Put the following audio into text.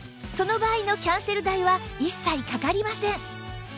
その場合のキャンセル代は一切かかりません